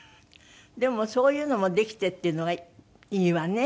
でもそういうのもできてっていうのがいいわね。